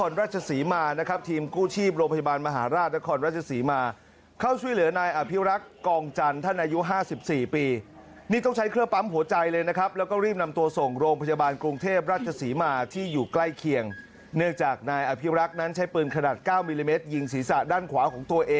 ทีมกู้ชีพโรงพยาบาลมหาราชนครราชศรีมาเข้าช่วยเหลือนายอภิรักษ์กองจันทร์ท่านอายุห้าสิบสี่ปีนี่ต้องใช้เครื่องปั๊มหัวใจเลยนะครับแล้วก็รีบนำตัวส่งโรงพยาบาลกรุงเทพราชศรีมาที่อยู่ใกล้เคียงเนื่องจากนายอภิรักษ์นั้นใช้ปืนขนาด๙มิลลิเมตรยิงศีรษะด้านขวาของตัวเอง